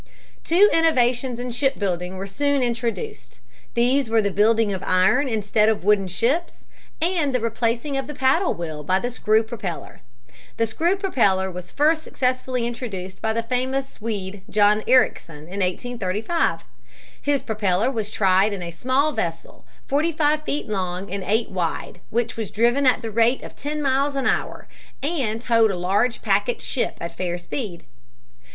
Two innovations in shipbuilding were soon introduced. These were the building of iron instead of wooden ships and the replacing of the paddle wheel by the screw propeller. The screw propeller was first successfully introduced by the famous Swede, John Ericsson, in 1835. His propeller was tried in a small vessel, forty five feet long and eight wide, which was driven at the rate of ten miles an hour, and towed a large packet ship at fair speed.